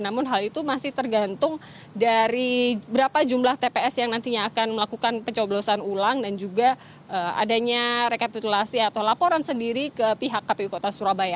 namun hal itu masih tergantung dari berapa jumlah tps yang nantinya akan melakukan pencoblosan ulang dan juga adanya rekapitulasi atau laporan sendiri ke pihak kpu kota surabaya